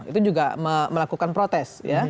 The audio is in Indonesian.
itu juga melakukan protes